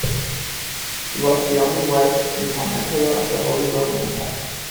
He was the only Welf to become emperor of the Holy Roman Empire.